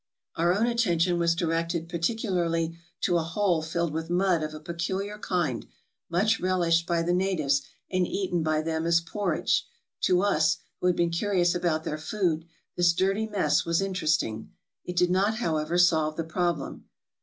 Our own attention was directed particularly to a hole filled with mud of a peculiar kind, much relished by the natives, and eaten by them as porridge. To us, who had been curious about their food, this dirty mess was interest ing. It did not, however, solve the problem.